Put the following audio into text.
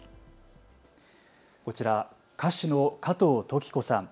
こちら、歌手の加藤登紀子さん。